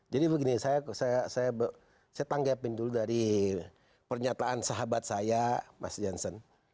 jadi begini saya tanggapin dulu dari pernyataan sahabat saya mas jansen